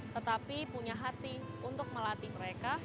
tetapi punya hati untuk melatih mereka